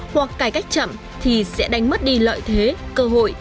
hoặc cải cách chậm thì sẽ đánh mất đi lợi thế cơ hội